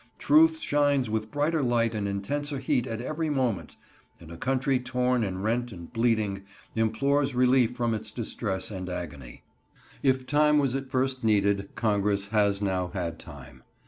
Truth shines with brighter light and intenser heat at every moment, and a country torn and rent and bleeding implores relief from its distress and agony. If time was at first needed, Congress has now had time.